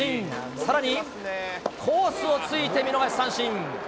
さらに、コースをついて見逃がし三振。